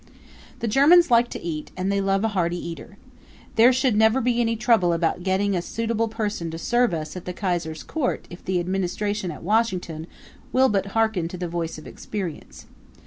The Germans like to eat and they love a hearty eater. There should never be any trouble about getting a suitable person to serve us at the Kaiser's court if the Administration at Washington will but harken to the voice of experience.